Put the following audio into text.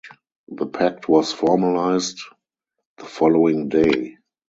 The pact was formalized the following day.